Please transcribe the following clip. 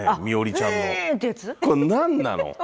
みおりちゃんの。